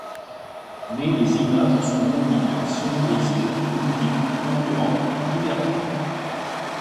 Mais les images sont mobiles, sonorisées, multiples, concurrentes, divergentes.